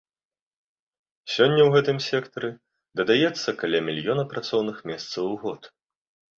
Сёння ў гэтым сектары дадаецца каля мільёна працоўных месцаў у год.